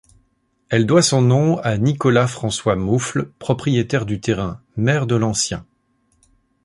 Elle doit son nom à Nicolas François Moufle, propriétaire du terrain, maire de l'ancien.